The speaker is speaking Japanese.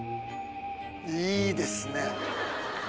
いいですね。